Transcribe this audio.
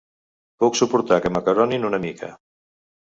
Puc suportar que m'acaronin una mica.